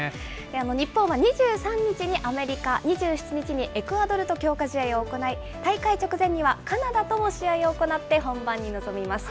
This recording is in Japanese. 日本は２３日にアメリカ、２７日にエクアドルと強化試合を行い、大会直前には、カナダとも試合を行って本番に臨みます。